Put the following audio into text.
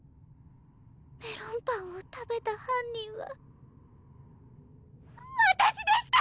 メロンパンを食べた犯人はわたしでした！